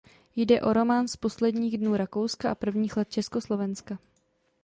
Jde o román z posledních dnů Rakouska a prvních let Československa.